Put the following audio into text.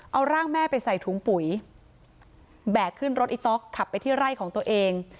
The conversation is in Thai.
เอาร่างแม่ไปใส่ถุงปุ๋ยแบกขึ้นรถอีต๊อกขับไปที่ไร่ของตัวเอง